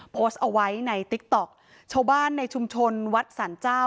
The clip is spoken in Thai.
โพสต์เอาไว้ในติ๊กต๊อกชาวบ้านในชุมชนวัดสรรเจ้า